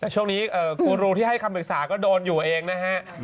ช่วงนี้ครูรูที่ให้คำปรึกษาก็โดนอยู่เองนะฮะ